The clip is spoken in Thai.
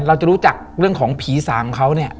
เราจะรู้จักเรื่องของผีสางเขาเนี่ย